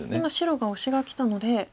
今白がオシがきたので。